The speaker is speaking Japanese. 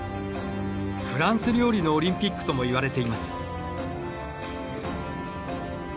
フランス料理のオリンピックともいわれています。